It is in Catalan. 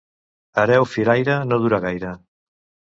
Hereu firaire no dura gaire.